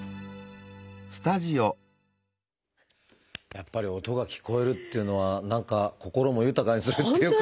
やっぱり音が聞こえるというのは何か心も豊かにするっていうか。